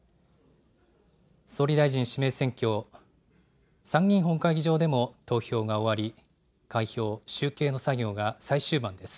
総理大臣指名選挙、参議院本会議場でも投票が終わり、開票・集計の作業が最終盤です。